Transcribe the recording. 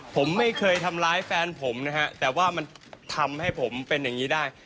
ผมไม่เคยทำร้ายแฟนผมนะฮะแต่ว่ามันทำให้ผมเป็นอย่างนี้ได้